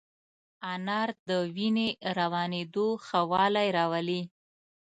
انار د وینې روانېدو ښه والی راولي.